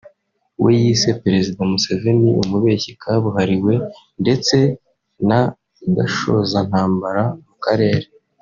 we yise Perezida Museveni Umubeshyi kabuhariwe ndetse na gashozantambara mu karere